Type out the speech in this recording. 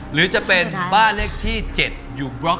หรือจะเป็นบ้านเลขที่๗อยู่บล็อก